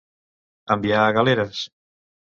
Enviar a galeres.